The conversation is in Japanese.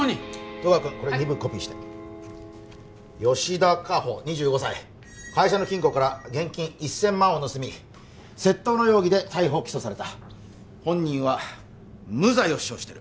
戸川君これ２部コピーして吉田果歩２５歳会社の金庫から現金１０００万を盗み窃盗の容疑で逮捕起訴された本人は無罪を主張してる